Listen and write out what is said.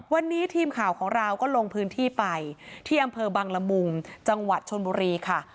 วันนี้ทีมข่าวของเราก็ลงพื้นที่ไปที่อำเภอบังละมุงจังหวัดชนบุรีค่ะ